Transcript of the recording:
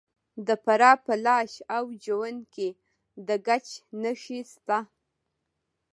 د فراه په لاش او جوین کې د ګچ نښې شته.